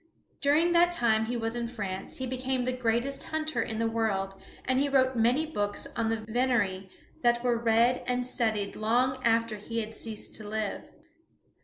During the time that he was in France he became the greatest hunter in the world, and he wrote many books on venery that were read and studied long after he had ceased to live.